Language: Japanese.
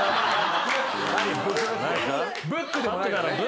ブックでもない。